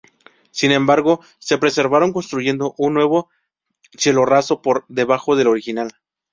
Sin embargo se preservaron construyendo un nuevo cielorraso por debajo del original.